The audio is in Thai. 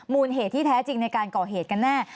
เหตุที่แท้จริงในการก่อเหตุกันแน่